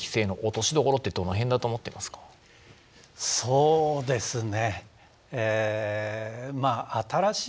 そうですねえ